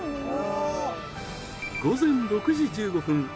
午前６時１５分。